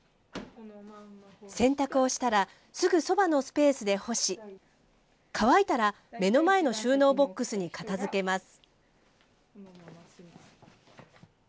洗濯をしたら、すぐそばのスペースで干し、乾いたら、目の前の収納ボックスに片づけます。